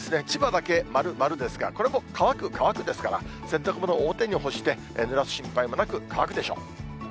千葉だけ丸、丸ですが、これも乾く、乾くですから、洗濯物、表に干して、ぬらす心配もなく、乾くでしょう。